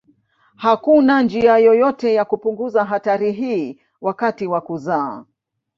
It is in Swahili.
Hakuna njia yoyote ya kupunguza hatari hii wakati wa kuzaa.